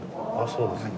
そうですか。